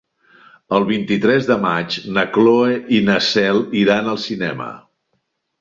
El vint-i-tres de maig na Cloè i na Cel iran al cinema.